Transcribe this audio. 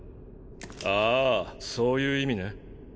ああそういう意味ね。